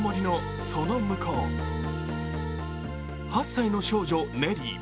８歳の少女、ネリー。